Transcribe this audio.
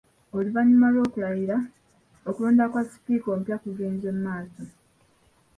Oluvannyuma lw’okulayira, okulonda kwa Sipiika omupya kugenze maaso.